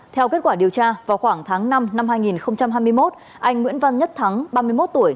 theo kết quả điều tra vào khoảng tháng năm năm hai nghìn hai mươi một anh nguyễn văn nhất thắng ba mươi một tuổi